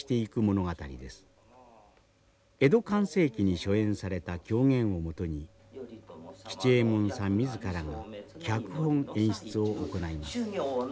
江戸寛政期に初演された狂言をもとに吉右衛門さん自らが脚本演出を行います。